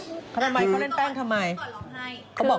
น้องน้องกลัวอย่าไปแจ้งตำรวจดีกว่าเด็ก